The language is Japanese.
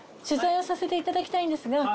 取材をさせていただきたいんですが。